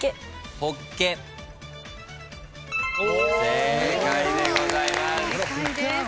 正解でございます。